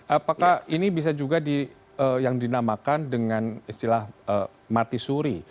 apakah ini bisa juga yang dinamakan dengan istilah mati suri